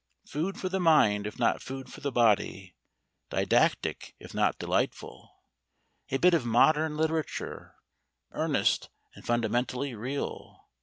Food for the mind if not food for the body didactic if not delightful a bit of modern literature, earnest and fundamentally real.